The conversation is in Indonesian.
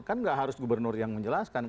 kan nggak harus gubernur yang menjelaskan